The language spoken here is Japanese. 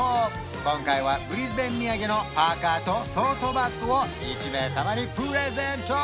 今回はブリスベン土産のパーカーとトートバッグを１名様にプレゼント！